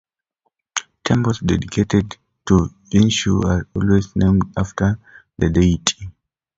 Temples dedicated to Vishnu are always named after the deity.